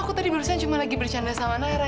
aku tadi barusan cuma lagi bercanda sama naira